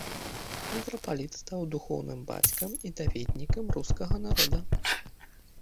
Мітрапаліт стаў духоўным бацькам і даведнікам рускага народа.